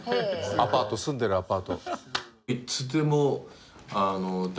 アパート住んでるアパート。